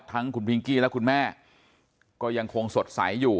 ทั้งคุณพิงกี้และคุณแม่ก็ยังคงสดใสอยู่